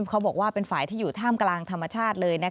เขาบอกว่าเป็นฝ่ายที่อยู่ท่ามกลางธรรมชาติเลย